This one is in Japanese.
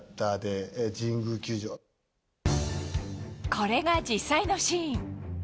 これが実際のシーン。